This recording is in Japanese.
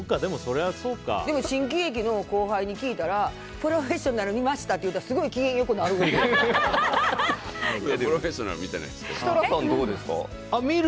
でも新喜劇の後輩に聞いたら「プロフェッショナル」見ましたって言ったら設楽さん、どうですか？